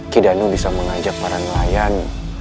kidanu bisa mengajak para nelayan